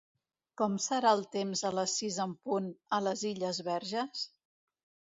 Com serà el temps a les sis en punt a les Illes Verges?